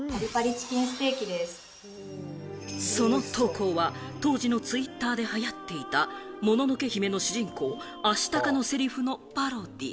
その投稿は、当時のツイッターで流行っていた『もののけ姫』の主人公・アシタカのセリフのパロディー。